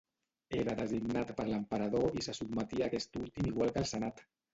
Era designat per l'emperador i se sotmetia a aquest últim igual que al senat.